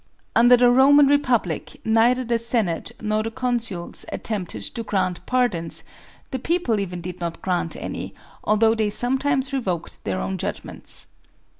Under the Roman Repub lic neither the Senate nor the consuls attempted to grant pardons; the people even did not grant any, although they sometimes revoked their own judgments.